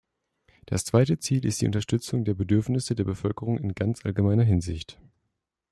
Das zweite Ziel ist die Unterstützung der Bedürfnisse der Bevölkerung in ganz allgemeiner Hinsicht.